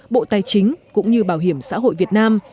bộ tài chính cũng như bảo hiểm xã hội việt nam